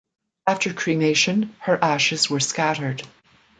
After cremation, her ashes were scattered.